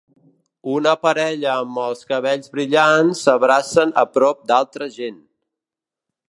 Una parella amb els cabells brillants s'abracen a prop d'altra gent.